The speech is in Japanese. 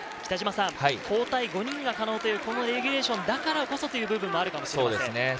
交代５人が可能というレギュレーションだからこそという部分もあるかもしれないですね。